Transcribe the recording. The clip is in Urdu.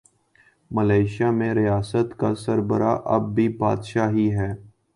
ملائشیا میں ریاست کا سربراہ اب بھی بادشاہ ہی ہے۔